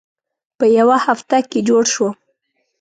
په یوه هفته کې جوړ شوم.